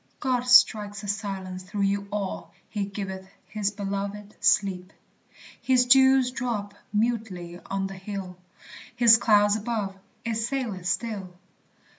God strikes a silence through you all, "He giveth his beloved sleep." His dews drop mutely on the hill, His cloud above it saileth still.